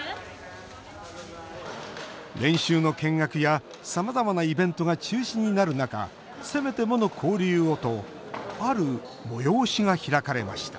練習の見学や、さまざまなイベントが中止になる中せめてもの交流をとある催しが開かれました。